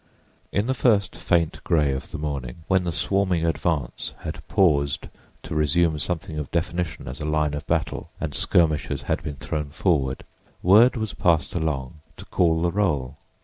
In the first faint gray of the morning, when the swarming advance had paused to resume something of definition as a line of battle, and skirmishers had been thrown forward, word was passed along to call the roll.